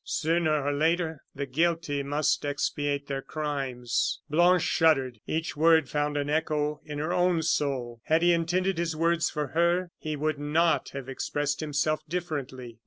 Sooner or later, the guilty must expiate their crimes." Blanche shuddered. Each word found an echo in her own soul. Had he intended his words for her, he would not have expressed himself differently.